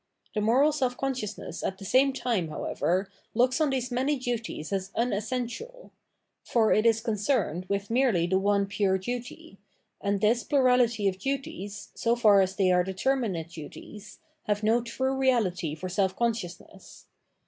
The moral self consciousness at the same time, however, looks on these many duties as unessential; for it is concerned with merely the one pure duty, and this plurality of duties, so far as they are determmate duties, have no true, reahty for self consciousness.